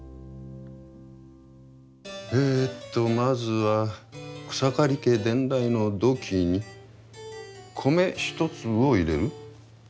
えとまずは草刈家伝来の土器に米一粒を入れる。